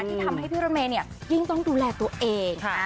ที่ทำให้พี่รถเมย์ยิ่งต้องดูแลตัวเอง